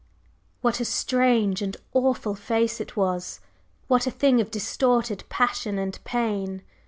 /What/ a strange and awful face it was! what a thing of distorted passion and pain!